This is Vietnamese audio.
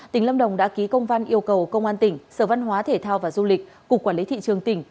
tỉnh lâm đồng đã ký công văn yêu cầu công an tỉnh sở văn hóa thể thao và du lịch cục quản lý thị trường tỉnh